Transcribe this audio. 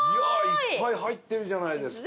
いっぱい入ってるじゃないですか。